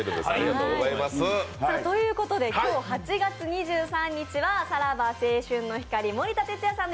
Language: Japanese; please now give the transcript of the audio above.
今日８月２３日はさらば青春の光・森田哲矢さん